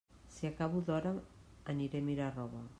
Si acabo d'hora, aniré a mirar roba.